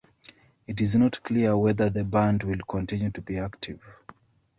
It is not clear whether the band will continue to be active.